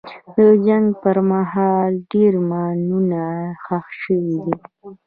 د جنګ پر مهال ډېر ماینونه ښخ شوي دي.